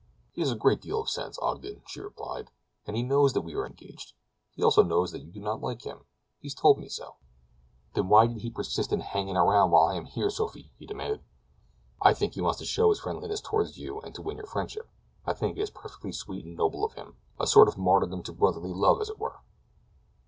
"He has a great deal of sense, Ogden," she replied, "and he knows that we are engaged. He also knows that you do not like him. He has told me so." "Then why does he persist in hanging around while I am here, Sophie?" he demanded. "I think he wants to show his friendliness toward you and to win your friendship. I think it is perfectly sweet and noble of him—a sort of martyrdom to brotherly love, as it were."